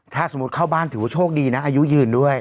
ถ้าสมมุติเข้าบ้านถือว่าโชคดีนะอายุยืนด้วย